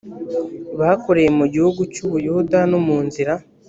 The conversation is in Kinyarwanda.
bakoreye mu gihugu cy u buyuda no mu nzira